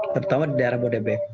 terutama di daerah bodebek